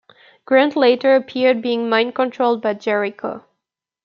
Grant later appeared being mind-controlled by Jericho.